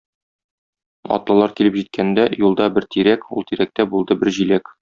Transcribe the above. Атлылар килеп җиткәндә, юлда бер тирәк, ул тирәктә булды бер җиләк.